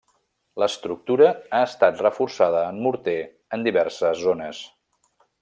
L'estructura ha estat reforçada amb morter en diverses zones.